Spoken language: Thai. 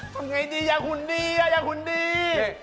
ทำไงดีอยากขุนดีน่ะอยากขุนดี